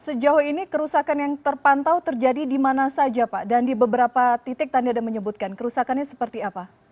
sejauh ini kerusakan yang terpantau terjadi di mana saja pak dan di beberapa titik tadi ada menyebutkan kerusakannya seperti apa